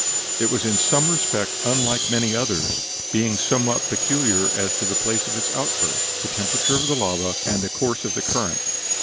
It was in some respects unlike many others, being somewhat peculiar as to the place of its outburst, the temperature of the lava, and the course of the current.